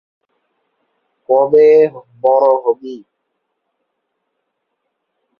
কবে বড় হবি?